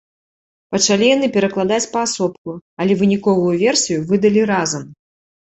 Пачалі яны перакладаць паасобку, але выніковую версію выдалі разам.